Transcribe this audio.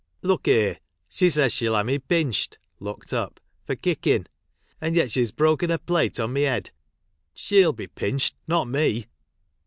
" Look 'ere, she says she'll 'a me j. inched (locked up) for locking, and yet she's broken a plate on my 'ead. Shell be pinched, not me."